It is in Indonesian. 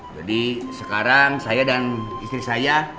jadi sekarang saya dan istri saya